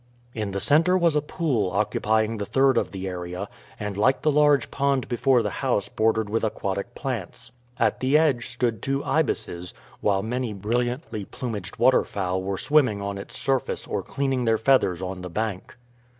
In the center was a pool occupying the third of the area, and like the large pond before the house bordered with aquatic plants. At the edge stood two ibises, while many brilliantly plumaged waterfowl were swimming on its surface or cleaning their feathers on the bank.